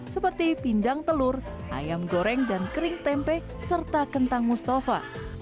seperti pindang telur ayam goreng dan kering tempe serta kentang mustafa